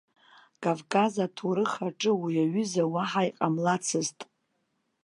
Кавказ аҭоурых аҿы уи аҩыза уаҳа иҟамлацызт.